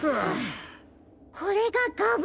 これがガブ。